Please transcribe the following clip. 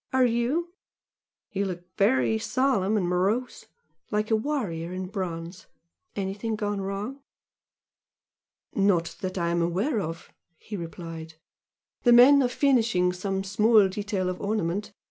Are you? You look very solemn and morose! like a warrior in bronze! Anything gone wrong?" "Not that I am aware of" he replied "The men are finishing some small detail of ornament.